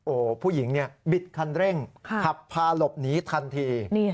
โอ้โหผู้หญิงเนี่ยบิดคันเร่งขับพาหลบหนีทันที